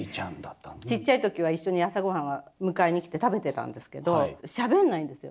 ちっちゃい時は一緒に朝ごはんは迎えに来て食べてたんですけどしゃべんないんですよ。